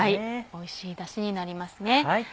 おいしいだしになりますね。